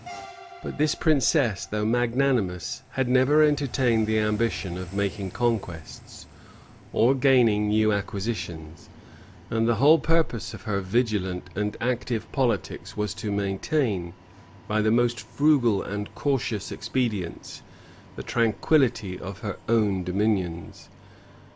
* Digges, p. 73. But this princess, though magnanimous, had never entertained the ambition of making conquests, or gaining new acquisitions; and the whole purpose of her vigilant and active politics was to maintain, by the most frugal and cautious expedients, the tranquillity of her own dominions.